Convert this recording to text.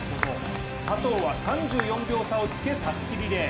佐藤は３４秒差をつけてたすきリレー。